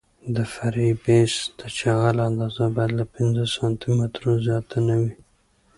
د فرعي بیس د جغل اندازه باید له پنځه سانتي مترو زیاته نه وي